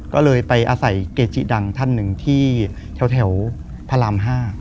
ก็เลยไปอาศัยเกจิดังท่านหนึ่งที่แถวพระราม๕